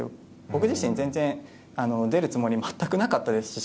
僕自身、全然出るつもりは全くなかったですし。